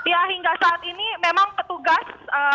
ya hingga saat ini memang petugas